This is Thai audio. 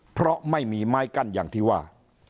เพราะไม่มีไม้กั้นอย่างที่ว่า